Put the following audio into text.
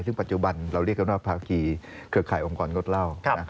ซึ่งปัจจุบันเราเรียกกันว่าภาคีเครือข่ายองค์กรงดเหล้า